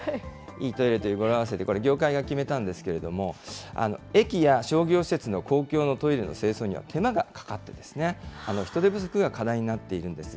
いいトイレという語呂合わせで、これ、業界が決めたんですけれども、駅や商業施設の公共のトイレの清掃には手間がかかって、人手不足が課題になっているんです。